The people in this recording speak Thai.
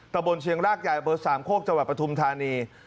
ตระบวนเชียงรากใหญ่เบอร์๓โคกจประทุมธานี